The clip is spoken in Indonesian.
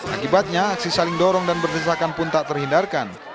akibatnya aksi saling dorong dan berdesakan pun tak terhindarkan